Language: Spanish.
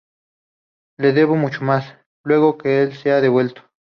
Le debo mucho más, luego, que le sea devuelto.